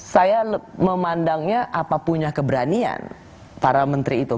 saya memandangnya apa punya keberanian para menteri itu